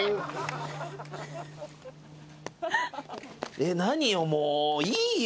えっ何よもういいよ。